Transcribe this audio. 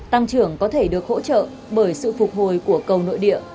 tăng trưởng có thể được hỗ trợ bởi sự phục hồi của cầu nội địa